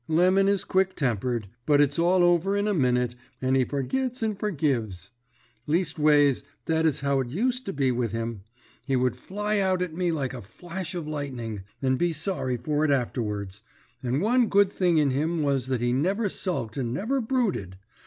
Lemon is quick tempered, but it's all over in a minute, and he forgits and forgives. Leastways, that is how it used to be with him; he would fly out at me like a flash of lightning, and be sorry for it afterwards; and one good thing in him was that he never sulked and never brooded.